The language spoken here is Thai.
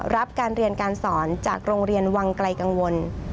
รับการเรียนการสอนจากโรงเรียนวังไกลกังวล